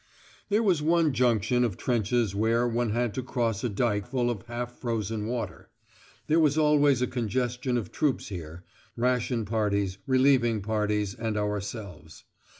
There was one junction of trenches where one had to cross a dyke full of half frozen water; there was always a congestion of troops here, ration parties, relieving parties, and ourselves.